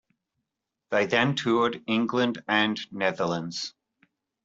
They then toured England and Netherlands.